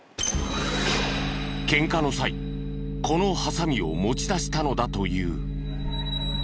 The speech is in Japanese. ケンカの際このハサミを持ち出したのだという。